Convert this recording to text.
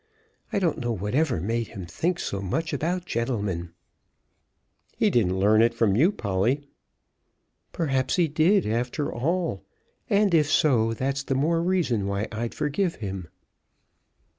I don't know whatever made him think so much about gentlemen." "He didn't learn it from you, Polly." "Perhaps he did, after all; and if so, that's the more reason why I'd forgive him."